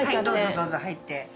どうぞ入って。